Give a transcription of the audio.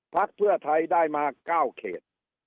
พักเพื่อไทยได้มา๙เขต